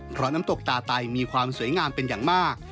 เพราะน้ำตกตาไตมีความสวยงามเป็นอย่างมาก